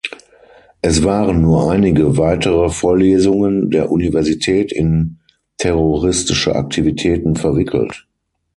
Es waren nur einige weitere Vorlesungen der Universität in terroristische Aktivitäten verwickelt.